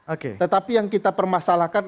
oke tetapi yang kita permasalahkan